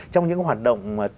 trong những hoạt động